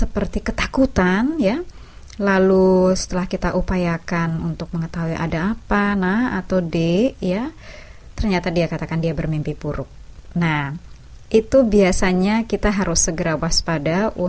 pelindung yang maha kuasa